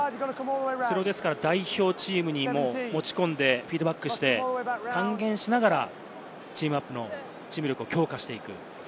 それを代表チームに持ち込んでフィードバックして、還元しながらチーム力の強化をしていく。